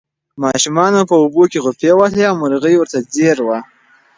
ماشومانو په اوبو کې غوپې وهلې او مرغۍ ورته ځیر وه.